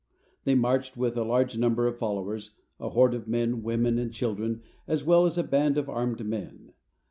They marched with a large number of followers, a horde of men, women, and children, as well as a band of armed men.